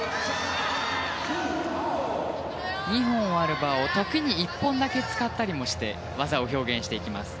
２本あるバーを時に１本だけ使ったりもして技を表現していきます。